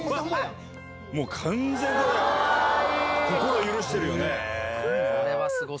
もう完全に心許してるよね。